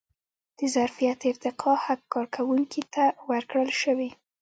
د ظرفیت ارتقا حق کارکوونکي ته ورکړل شوی.